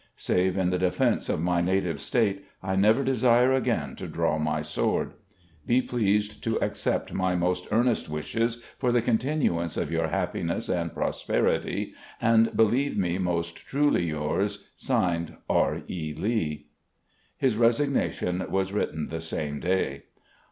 " Save in the defense of my native State, I never desire again to draw my sword. "Be pleased to accept my most earnest wishes for the continTiance of yom happiness and prosperity, and believe me most truly yours, "(Signed) "R. E. Lee." His resignation was written the same day.